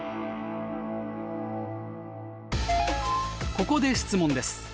ここで質問です。